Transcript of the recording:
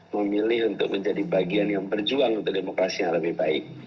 memilih untuk menjadi bagian yang berjuang untuk demokrasi yang lebih baik